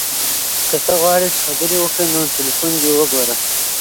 که ته غواړې چې خبرې وکړو نو تلیفون دې ته وګوره.